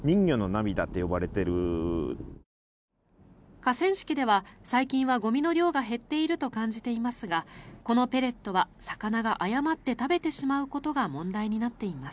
河川敷では最近はゴミの量が減っていると感じていますがこのペレットは魚が誤って食べてしまうことが問題になっています。